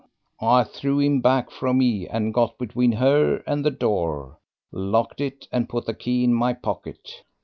I threw him back from me and got between her and the door, locked it, and put the key in my pocket.